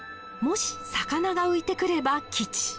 もし魚が浮いてくれば吉。